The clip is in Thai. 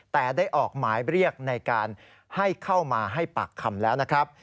แต่ได้ออกหมายเรียกในการให้เข้ามาให้ปากคำแล้วนะครับ